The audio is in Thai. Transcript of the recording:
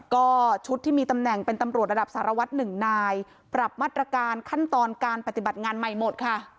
ก็ชุดที่มีตำแหน่งเป็นตำรวจระดับสารวัตรหนึ่งนายปรับมาตรการขั้นตอนการปฏิบัติงานใหม่หมดค่ะ